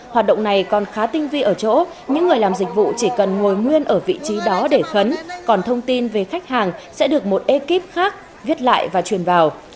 hoạt động này còn khá tinh vi ở chỗ những người làm dịch vụ chỉ cần ngồi nguyên ở vị trí đó để khấn còn thông tin về khách hàng sẽ được một ekip khác viết lại và truyền vào